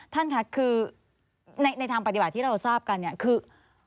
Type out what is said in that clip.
ท่านค่ะคือในทางปฏิบัติที่เราทราบกันเนี่ยคือ